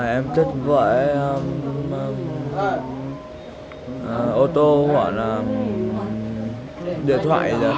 em thích vẽ ô tô hoặc là điện thoại